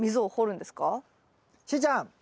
しーちゃん！